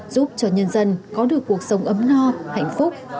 giúp cho nhân dân có được cuộc sống ấm no hạnh phúc